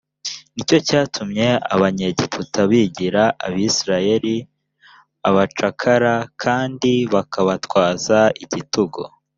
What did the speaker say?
ni cyo cyatumye abanyegiputa bagira abisirayeli abacakara kandi bakabatwaza igitugu